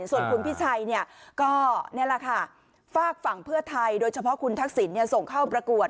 ส่วนคุณพี่ชัยก็ฝากฝั่งเพื่อไทยโดยเฉพาะคุณทักษิตส่งเข้าประกวด